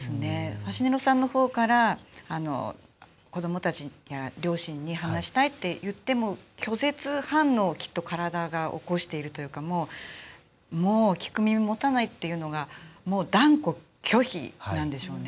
ファシネロさんのほうから子どもたちや両親に話したいって言っても拒絶反応を、きっと体が起こしているというかもう聞く耳持たないというのが断固拒否なんでしょうね。